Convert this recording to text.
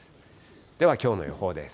ではきょうの予報です。